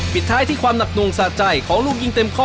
ปิดท้ายที่ความหนักหน่วงสะใจของลูกยิงเต็มข้อ